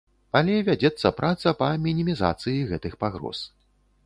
Але вядзецца праца па мінімізацыі гэтых пагроз.